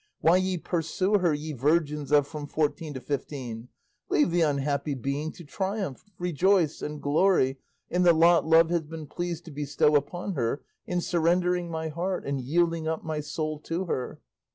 Why ye pursue her, ye virgins of from fourteen to fifteen? Leave the unhappy being to triumph, rejoice and glory in the lot love has been pleased to bestow upon her in surrendering my heart and yielding up my soul to her.